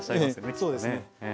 ええそうですね。